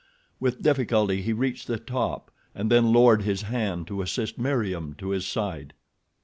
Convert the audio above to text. With difficulty he reached the top and then lowered his hand to assist Meriem to his side.